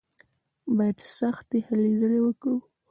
بايد سختې هلې ځلې وکړو.